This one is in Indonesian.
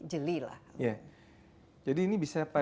jadi ini bisa pada